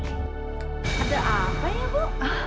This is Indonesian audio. ada apa ya bu